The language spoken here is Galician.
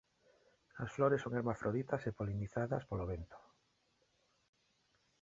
As flores son hermafroditas e polinizadas polo vento.